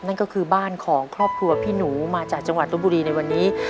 นั่นก็คือบ้านของครอบครัวพี่หนูมาจากจังหวัดลบบุรีในวันนี้